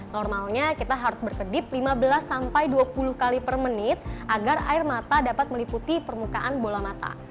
normalnya kita harus berkedip lima belas sampai dua puluh kali per menit agar air mata dapat meliputi permukaan bola mata